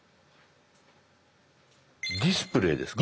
「ディスプレイ」ですか？